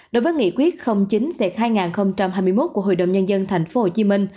đối với nghị quyết chín hai nghìn hai mươi một của hội đồng nhân dân tp hcm